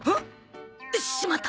しまった！